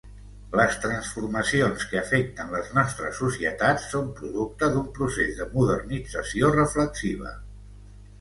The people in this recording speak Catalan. Les transformacions que afecten les nostres societats són producte d'un procés de modernització reflexiva.